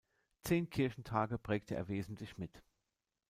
Zehn Kirchentage prägte er wesentlich mit.